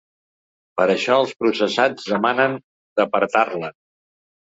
Per això els processats demanen d’apartar-l’en.